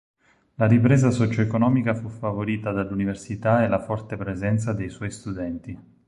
La ripresa socioeconomica fu favorita dall'Università e la forte presenza dei suoi studenti.